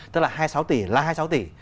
tức là hai mươi sáu tỷ là hai mươi sáu tỷ